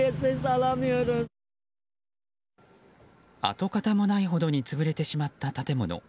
跡形もないほどに潰れてしまった建物。